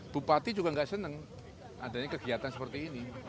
bupati juga nggak senang adanya kegiatan seperti ini